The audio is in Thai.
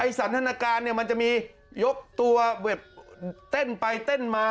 สันทนาการเนี่ยมันจะมียกตัวแบบเต้นไปเต้นมา